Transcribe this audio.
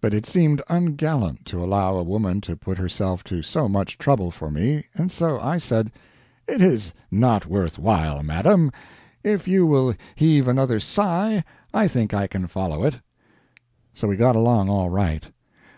But it seemed ungallant to allow a woman to put herself to so much trouble for me, and so I said: "It is not worth while, madam. If you will heave another sigh, I think I can follow it." So we got along all right.